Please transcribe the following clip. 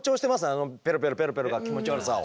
あのペロペロペロペロが気持ち悪さを。